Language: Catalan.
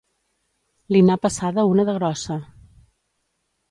Li n'ha passada una de grossa.